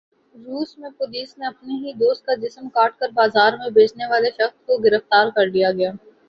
روس میں پولیس نے اپنے ہی دوست کا جسم کاٹ کر بازار میں بیچنے والے شخص کو گرفتار کرلیا گیا ہے